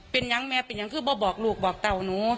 เป็นอย่างแม่เป็นอย่างคือมาบอกลูกบอกเต่าหนู